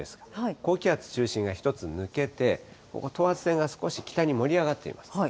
高気圧中心が一つ抜けて、ここ、等圧線が少し北に盛り上がっています。